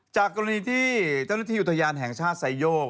จากกรณีที่เจ้าหน้าที่อุทยานแห่งชาติไซโยก